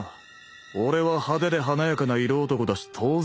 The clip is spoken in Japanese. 俺は派手で華やかな色男だし当然だろ。